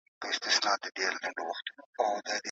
افغانانو د خپلواکۍ لپاره ټول ځواکونه کارولي.